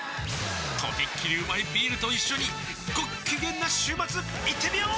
とびっきりうまいビールと一緒にごっきげんな週末いってみよー！